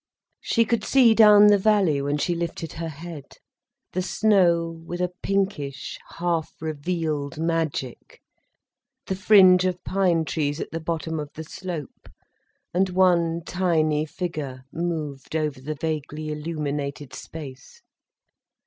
She could see down the valley when she lifted her head: the snow with a pinkish, half revealed magic, the fringe of pine trees at the bottom of the slope. And one tiny figure moved over the vaguely illuminated space.